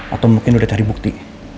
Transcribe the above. atau mungkin lo udah cari bukti